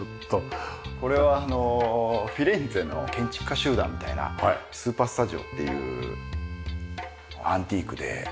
これはあのフィレンツェの建築家集団みたいなスーパースタジオっていうアンティークで。